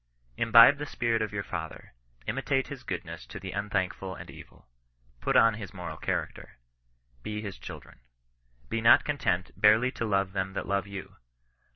Imbibe the spirit of your Father. Imitate his goodness to the unthankful and evil. Put on his moral character. Be his children. Be not content barely to love them that love you.